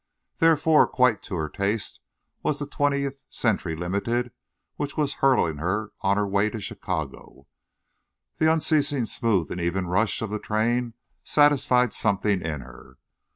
Therefore quite to her taste was the Twentieth Century Limited which was hurtling her on the way to Chicago. The unceasingly smooth and even rush of the train satisfied something in her.